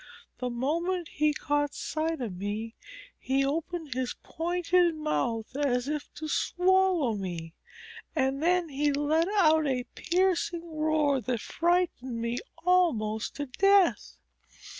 The moment he caught sight of me he opened his pointed mouth as if to swallow me, and then he let out a piercing roar that frightened me almost to death."